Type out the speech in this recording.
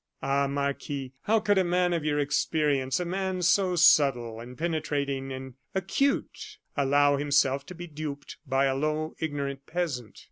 Ah, Marquis! how could a man of your experience, a man so subtle, and penetrating, and acute, allow himself to be duped by a low, ignorant peasant?"